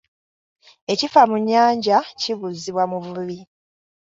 Ekifa mu nnyanja, kibuuzibwa muvubi.